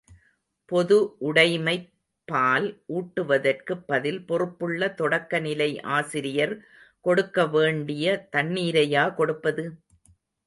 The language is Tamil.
பொது உடைமைப் பால் ஊட்டுவதற்கு பதில், பொறுப்புள்ள தொடக்கநிலை ஆசிரியர் கொடுக்க வேண்டிய தண்ணிரையா கொடுப்பது?